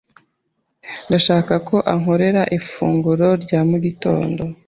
Ndashaka ko ankorera ifunguro rya mu gitondo.